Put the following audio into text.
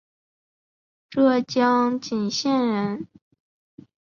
浙江鄞县人。